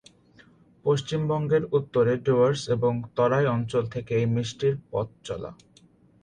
পশ্চিমবঙ্গের উত্তরে ডুয়ার্স এবং তরাই অঞ্চল থেকে এই মিষ্টির পথ চলা।